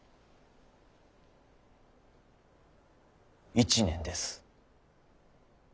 １年です。